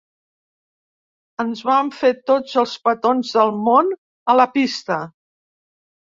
Ens vam fer tots els petons del món a la pista.